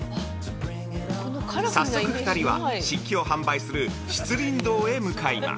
早速２人は、漆器を販売する漆琳堂へ向かいます。